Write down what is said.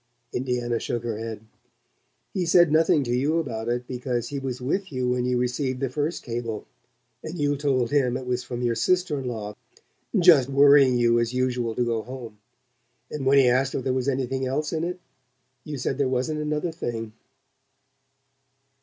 Indiana shook her head. "He said nothing to you about it because he was with you when you received the first cable, and you told him it was from your sister in law, just worrying you as usual to go home; and when he asked if there was anything else in it you said there wasn't another thing."